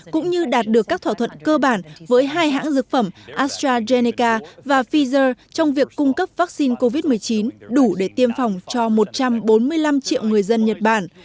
cũng như đạt được các thỏa thuận cơ bản với hai hãng dược phẩm astrazeneca và pfizer trong việc cung cấp vaccine covid một mươi chín đủ để tiêm phòng cho một trăm bốn mươi năm triệu người dân nhật bản